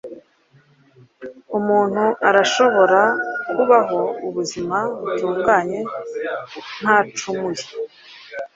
umuntu arashobora kubaho ubuzima butunganye ntacumuye.